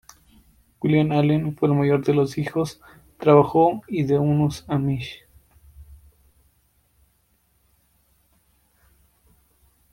William Allen fue el mayor de los hijos trabajo y de unos amish.